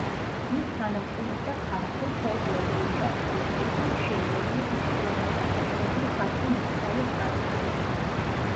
ის თანამშრომლობდა ქართულ ფოლკლორულ ჯაზ კოლექტივთან „შინ“, რომელიც მჭიდროდაა დაკავშირებული ქართულ მუსიკალურ ტრადიციებთან.